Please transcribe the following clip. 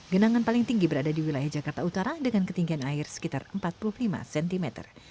genangan paling tinggi berada di wilayah jakarta utara dengan ketinggian air sekitar empat puluh lima cm